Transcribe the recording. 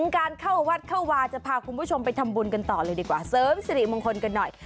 การเข้าวัดเข้าวาจะพาคุณผู้ชมไปทำบุญกันต่อเลยดีกว่าเสริมสิริมงคลกันหน่อย